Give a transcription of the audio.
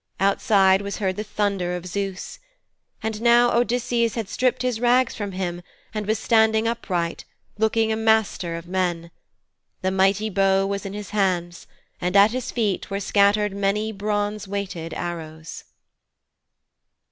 Outside was heard the thunder of Zeus. And now Odysseus had stripped his rags from him and was standing upright, looking a master of men. The mighty bow was in his hands, and at his feet were scattered many bronze weighted arrows.